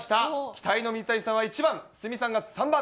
期待の水谷さんは１番、鷲見さんが３番。